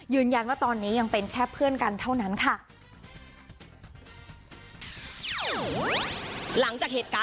ยืนยันว่าตอนนี้ยังเป็นแค่เพื่อนกันเท่านั้นค่ะ